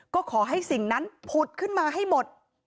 ก็ขอให้สิ่งนั้นผุดขึ้นมาให้หมด